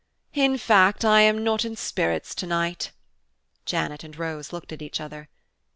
In fact, I am not in spirits to night." (Janet and Rose looked at each other.)